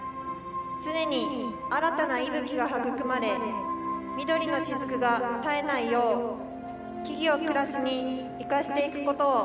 常に新たな息吹が育まれ緑のしずくが絶えないよう木々を暮らしに活かしていくことを。